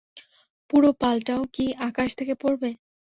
পুরো পালটাও কি আকাশ থেকে পড়বে?